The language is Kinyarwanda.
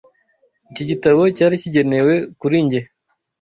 Iki gitabo cyari kigenewe kuri njye?